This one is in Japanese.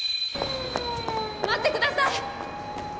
待ってください！